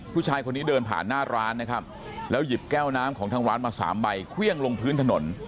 ผู้ชายคนนี้เดินผ่านหน้าร้านนะครับแล้วหยิบแก้วน้ำของทางร้านมาสามใบเครื่องลงพื้นถนน